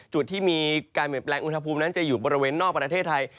จุดที่มีการเปลี่ยนแปลงอุณหภูมินั้นจะอยู่บริเวณนอกประเทศไทย